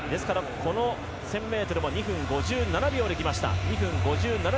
この１０００ｍも２分５７秒で来ています。